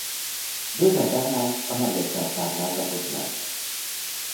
Bővebben lásd a mellékelt táblázatot lent.